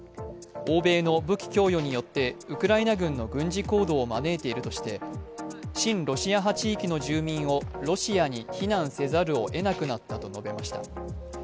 欧米の武器供与によってウクライナ軍の軍事行動を招いているとして親ロシア派地域の住民をロシアに避難せざるをえなくなったと述べました。